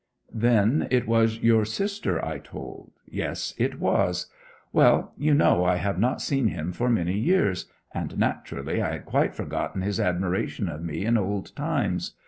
'Then it was your sister I told yes, it was. Well, you know I have not seen him for many years, and naturally I had quite forgotten his admiration of me in old times.